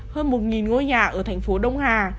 hơn một ngôi nhà ở thành phố đông hà